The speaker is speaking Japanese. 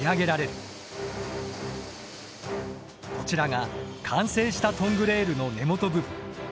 こちらが完成したトングレールの根元部分。